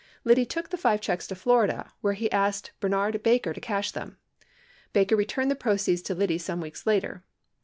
Liddy took the five checks to Florida where he asked Bernard Barker to cash them. Barker returned the proceeds to Liddy some weeks later.